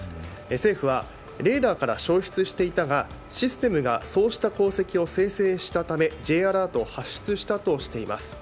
政府はレーダーから消失していたがシステムがそうした航跡を生成したためＪアラートを発出したとしています。